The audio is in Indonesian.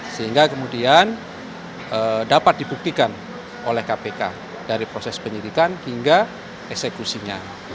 sehingga kemudian dapat dibuktikan oleh kpk dari proses penyidikan hingga eksekusinya